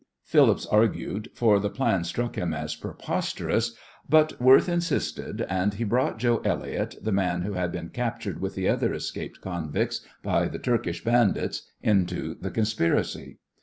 Phillips argued, for the plan struck him as preposterous, but Worth insisted, and he brought Joe Elliott, the man who had been captured with the other escaped convicts by the Turkish bandits, into the conspiracy.